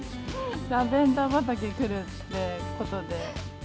ラベンダー畑来るってことで。